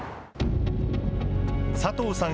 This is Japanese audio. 佐藤さん